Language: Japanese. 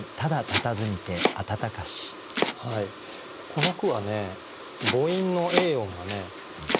この句はね母音の「ａ音」がね